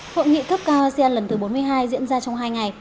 hội nghị cấp cao asean lần thứ bốn mươi hai diễn ra trong hai ngày